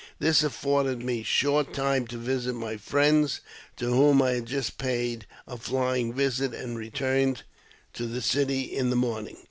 This afforded me short time to visit my friends, to whom I just paid a flying visit, and returned to the city in the morning.